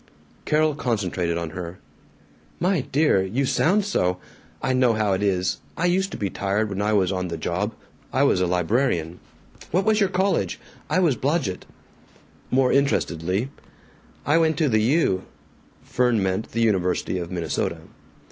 Carol concentrated on her. "My dear, you sound so! I know how it is. I used to be tired when I was on the job I was a librarian. What was your college? I was Blodgett." More interestedly, "I went to the U." Fern meant the University of Minnesota.